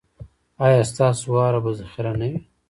ایا ستاسو واوره به ذخیره نه وي؟